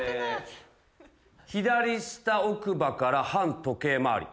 左下奥歯から反時計回り。